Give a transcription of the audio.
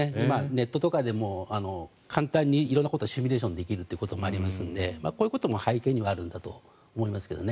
ネットとかでも簡単に色んなことがシミュレーションできるということもありますのでこういうことも背景にはあるんだと思います。